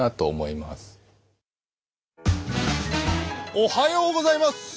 おはようございます！